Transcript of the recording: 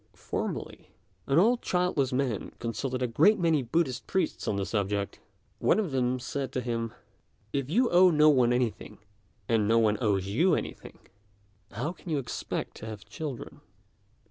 Formerly, an old childless man consulted a great many Buddhist priests on the subject. One of them said to him, "If you owe no one anything, and no one owes you anything, how can you expect to have children?